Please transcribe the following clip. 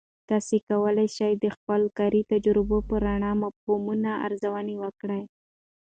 تاسې کولای سئ د خپل کاري تجربو په رڼا کې مفهومونه ارزونه وکړئ.